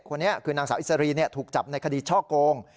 คนนี้คือนางสาวอิสรีถูกจับในคดีช่อโกง